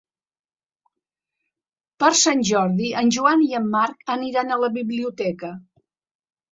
Per Sant Jordi en Joan i en Marc aniran a la biblioteca.